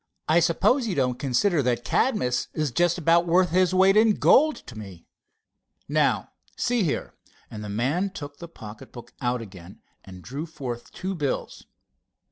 "I suppose you don't consider that Cadmus is just about worth his weight in gold to me. Now, see here," and the man took the pocket book out again and drew forth two bills.